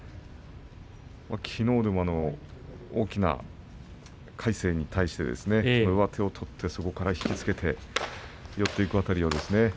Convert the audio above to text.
きのうも大きな魁聖に対して上手を取ってそこから引き付けて寄っていくあたり